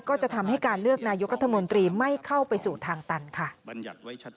ก็จะทำให้การเลือกนายกรัฐมนตรีไม่เข้าไปสู่ทางตันค่ะ